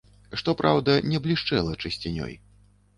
Што праўда, не блішчэла чысцінёй.